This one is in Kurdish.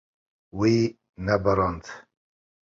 Wî nebarand.